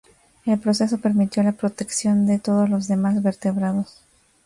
El proceso permitió la protección de todos los demás vertebrados.